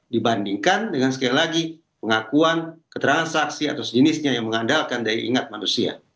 dibandingkan dengan sekali lagi pengakuan keterangan saksi atau sejenisnya yang mengandalkan daya ingat manusia